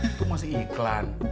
itu masih iklan